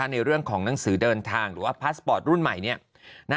ในเรื่องของหนังสือเดินทางหรือว่าพาสปอร์ตรุ่นใหม่